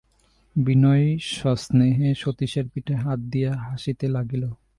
বিনয় সস্নেহে সতীশের পিঠে হাত দিয়া হাসিতে লাগিল।